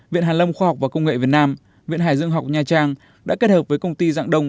viện hàn lâm khoa học và công nghệ việt nam viện hải dương học nha trang đã kết hợp với công ty dạng đông